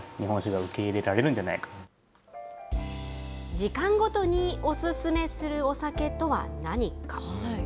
時間ごとにお薦めするお酒とは何か。